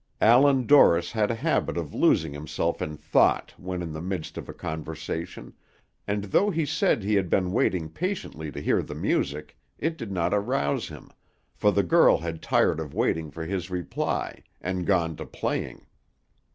Allan Dorris had a habit of losing himself in thought when in the midst of a conversation, and though he said he had been waiting patiently to hear the music, it did not arouse him, for the girl had tired of waiting for his reply, and gone to playing.